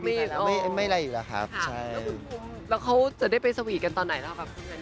ไม่ไรอยู่แล้วครับ